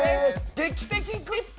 「劇的クリップ」。